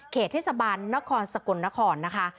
เทศบาลนครสกลนครนะคะ